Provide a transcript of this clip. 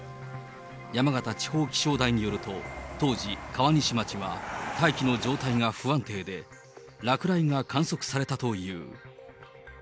山形地方気象台によると、当時、川西町は大気の状態が不安定で、落雷が観測されたという。